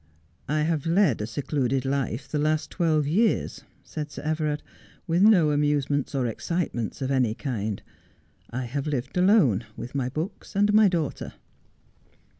' I have led a secluded life for the last twelve years,' said Sir Everard, ' with no amusements or excitements of any kind. I have lived alone, with my books and my daughter.'